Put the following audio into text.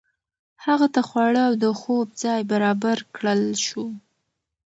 هغه ته خواړه او د خوب ځای برابر کړل شو.